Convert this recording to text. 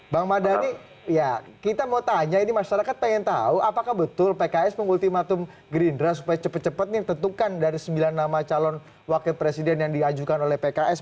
bang madani ya kita mau tanya ini masyarakat pengen tahu apakah betul pks mengultimatum gerindra supaya cepet cepet nih tentukan dari sembilan nama calon wakil presiden yang diajukan oleh pks